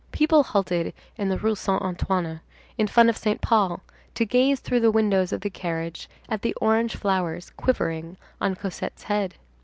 People halted in the Rue Saint Antoine, in front of Saint Paul, to gaze through the windows of the carriage at the orange flowers quivering on Cosette's head.